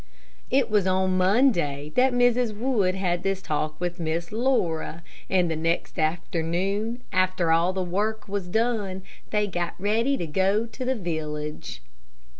It was on Monday that Mrs. Wood had this talk with Miss Laura, and the next afternoon, after all the work was done, they got ready to go to the village.